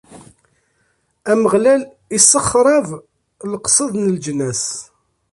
Ameɣlal issexṛab leqsed n leǧnas.